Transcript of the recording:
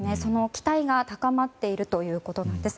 期待が高まっているということなんです。